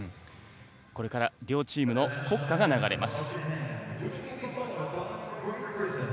これから両チームの国歌が流れます。